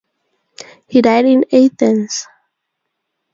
He died in Athens.